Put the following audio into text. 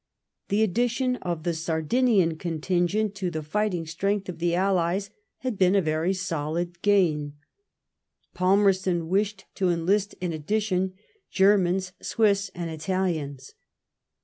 The addition of the Sardinian oontingent to the fighting strength of the Allies had been a yery solid gain ; Palmerston wished to enlist in addition Germans, Swiss, and Italians.